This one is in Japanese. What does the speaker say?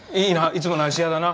いつもの芦屋だな？